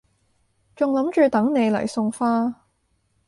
仲諗住等你嚟送花